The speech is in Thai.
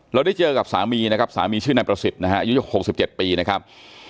เราได้เจอกับสามีนะครับสามีชื่อนายประสิทธิ์นะฮะอายุ๖๗ปีนะครับ